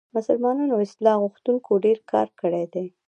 مسلمانو اصلاح غوښتونکو ډېر کار کړی دی.